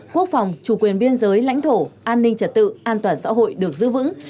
quốc phòng chủ quyền biên giới lãnh thổ an ninh trật tự an toàn xã hội được giữ vững